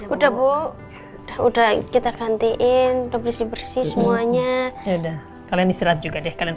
udah udah bu udah kita gantiin lebih bersih semuanya udah kalian istirahat juga deh kalian